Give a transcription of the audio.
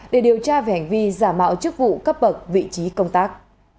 để điều tra về hành vi giả mạo chức vụ cấp bậc vị trí công tác